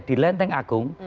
di lenteng agung